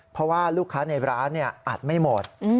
เพราะว่าลูกค้าในร้านอัดไม่หมด